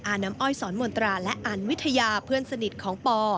น้ำอ้อยสอนมนตราและอันวิทยาเพื่อนสนิทของปอ